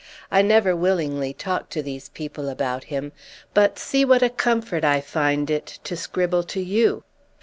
I never willingly talk to these people about him, but see what a comfort I find it to scribble to you!